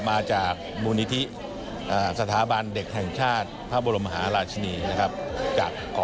มาจากมูลนิธิสถาบันเด็กแห่งชาติพระบรมมหาราชินีนะครับ